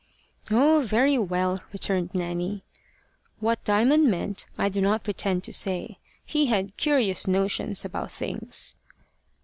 "Oh, very well!" returned Nanny. What Diamond meant, I do not pretend to say. He had curious notions about things.